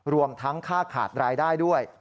รวมทั้งค่าขาดรายได้ด้วย